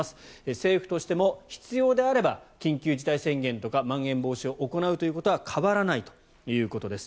政府としても必要であれば緊急事態宣言とかまん延防止を行うということは変わらないということです。